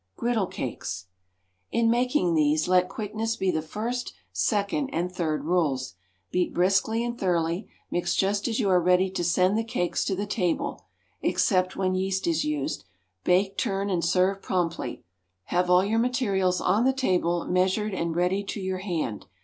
Griddle Cakes. IN making these, let quickness be the first, second and third rules. Beat briskly and thoroughly; mix just as you are ready to send the cakes to the table (except when yeast is used), bake, turn, and serve promptly. Have all your materials on the table, measured and ready to your hand.